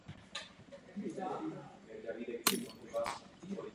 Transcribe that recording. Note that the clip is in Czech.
Pochází z devíti dětí.